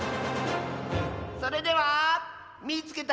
それでは「みいつけた！